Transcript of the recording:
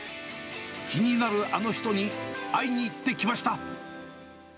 気になるあの人に会いに行ってきました。